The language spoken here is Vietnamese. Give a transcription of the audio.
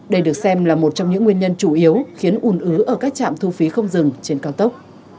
đây được xem là một trong những nguyên nhân chủ yếu khiến ủn ứ ở các trạm thu phí không dừng trên cao tốc